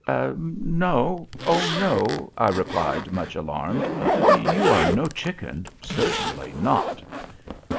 "No—oh, no!" I replied, much alarmed; "you are no chicken—certainly not."